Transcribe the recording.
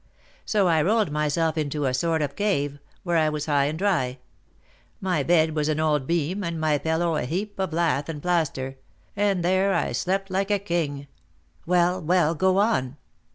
"' So I rolled myself into a sort of cave, where I was high and dry; my bed was an old beam, and my pillow a heap of lath and plaster, and there I slept like a king." "Well, well, go on."